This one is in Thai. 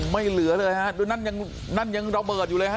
ไม่เหลือเลยฮะนั่นยังรอเปิดอยู่เลยฮะ